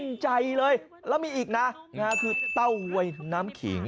ใจเลยแล้วมีอีกนะคือเต้าหวยน้ำขิง